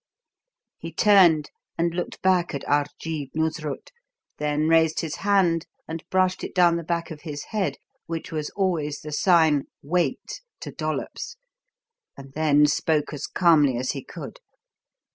He turned and looked back at Arjeeb Noosrut, then raised his hand and brushed it down the back of his head, which was always the sign "Wait!" to Dollops and then spoke as calmly as he could.